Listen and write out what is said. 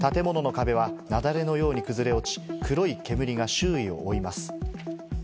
建物の壁はなだれのように崩れ落ち、黒い煙が周囲を覆います。